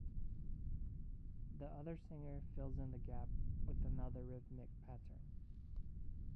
The other singer fills in the gap with another rhythmic pattern.